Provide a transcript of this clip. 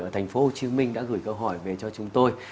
thành phố hồ chí minh đã gửi câu hỏi về cho chúng tôi